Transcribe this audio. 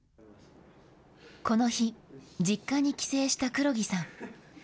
この日、実家に帰省した黒木さん。